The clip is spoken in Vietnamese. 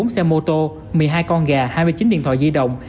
năm mươi bốn xe mô tô một mươi hai con gà hai mươi chín điện thoại di động